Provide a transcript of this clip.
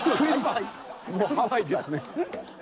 もうハワイですね。